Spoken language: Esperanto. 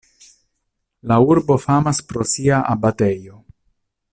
La urbo famas pro sia abatejo.